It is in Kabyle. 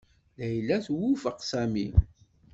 Layla twufeq Sami.